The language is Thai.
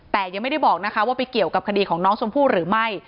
แต่ยังไม่ได้บอกนะคะว่าไปเกี่ยวกับคดีของน้องชมพู่หรือไม่